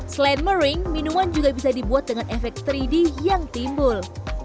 selain mering minuman juga bisa dibuat dengan efek tiga d yang timbul